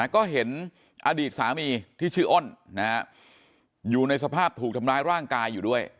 ก็เห็นอดีตสามีที่ชื่ออ้นอยู่ในสภาพถูกทำร้ายร่างกายอยู่ด้วย